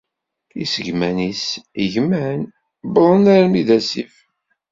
Isegman-is gman, wwḍen armi d asif.